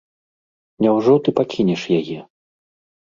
Няўжо ты пакінеш яе?